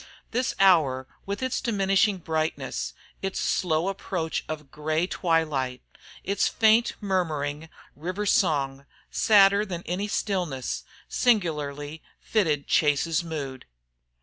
This hour with its diminishing brightness, its slow approach of gray twilight, its faint murmuring river song, sadder than any stillness, singularly fitted Chase's mood.